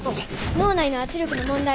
脳内の圧力の問題。